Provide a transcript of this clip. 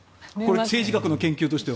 政治学の研究としては。